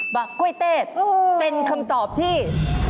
กล้วยเต้เป็นคำตอบที่